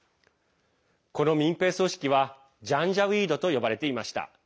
この民兵組織はジャンジャウィードと呼ばれていました。